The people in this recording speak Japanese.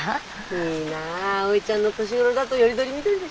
いいなあおいちゃんの年頃だとより取り見取りでしょ。